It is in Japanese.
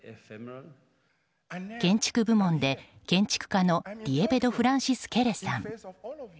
建築部門で建築家のディエベド・フランシス・ケレさん